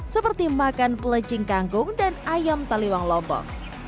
seperti makan pelecing kangkung dan ayam taliwang lobong